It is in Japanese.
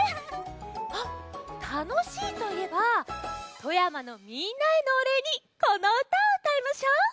あったのしいといえば富山のみんなへのおれいにこのうたをうたいましょう！